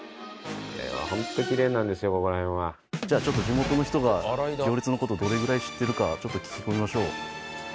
地元の人が行列の事をどれぐらい知ってるかちょっと聞き込みましょう。